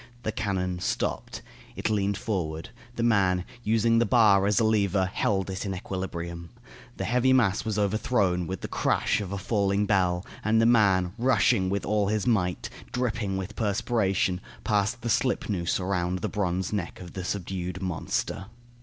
The cannon stopped. It leaned forward. The man, using the bar as a lever, held it in equilibrium. The heavy mass was overthrown, with the crash of a falling bell, and the man, rushing with all his might, dripping with perspiration, passed the slipnoose around the bronze neck of the subdued monster.